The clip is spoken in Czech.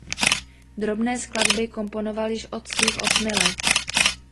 Drobné skladby komponoval již od svých osmi let.